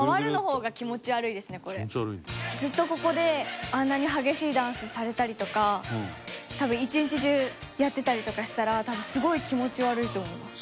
ずっとここであんなに激しいダンスされたりとか多分１日中やってたりとかしたらすごい気持ち悪いと思います。